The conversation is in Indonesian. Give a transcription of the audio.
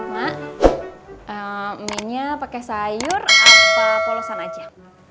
mak mie nya pakai sayur apa polosan aja